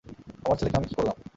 আমার ছেলেকে আমি কী করলাম।